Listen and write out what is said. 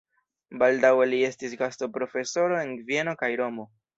Baldaŭe li estis gastoprofesoro en Vieno kaj Romo.